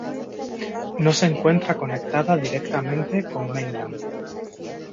No se encuentra conectada directamente con Mainland.